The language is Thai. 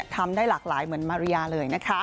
ทำได้หลากหลายเหมือนมาริยาเลยนะคะ